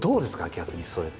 逆にそれって。